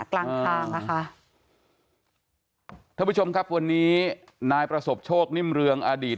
กลางทางอ่ะค่ะท่านผู้ชมครับวันนี้นายประสบโชคนิ่มเรืองอดีต